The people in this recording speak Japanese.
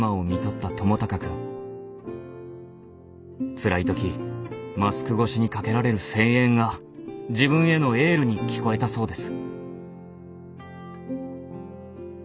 つらい時マスク越しにかけられる声援が自分へのエールに聞こえたそうです。